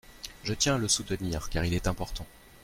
Je tiens à le soutenir, car il est important.